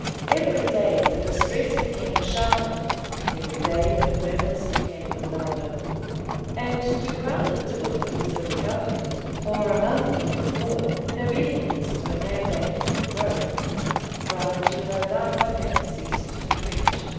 Every day the distress became sharper: every day the murmurs became louder. And, to crown the difficulties of the government, for a month and more—in obedience to a mandate from Rome—Fra Girolamo had ceased to preach.